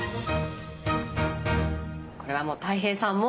これはもうたい平さんも。